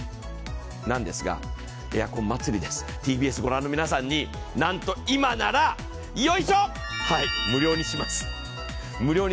なんですが、エアコン祭りです、ＴＢＳを御覧の皆さんになんと今なら無料にします。